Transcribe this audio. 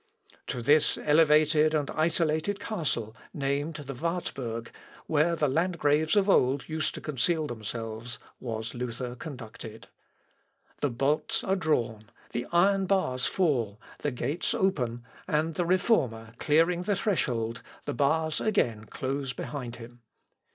] To this elevated and isolated castle, named the Wartburg, where the Landgraves of old used to conceal themselves, was Luther conducted. The bolts are drawn, the iron bars fall, the gates open, and the Reformer clearing the threshold, the bars again close behind him.